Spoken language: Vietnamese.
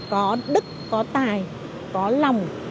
có đức có tài có lòng